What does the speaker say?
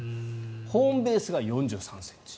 ホームベースが４３ｃｍ